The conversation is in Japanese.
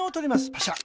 パシャ。